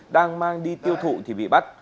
đang mang đi tiêu thụ thì bị bắt